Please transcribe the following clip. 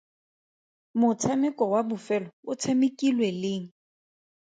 Motshameko wa bofelo o tshamekilwe leng?